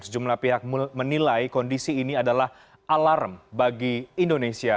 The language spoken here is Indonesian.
sejumlah pihak menilai kondisi ini adalah alarm bagi indonesia